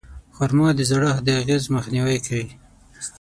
خرما د زړښت د اغېزو مخنیوی کوي.